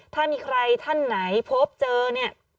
ถ้ามีใครท่านไหนพบเจอเนี่ย